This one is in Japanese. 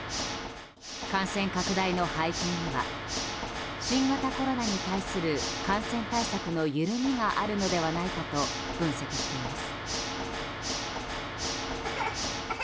感染拡大の背景には新型コロナに対する感染対策の緩みがあるのではないかと分析しています。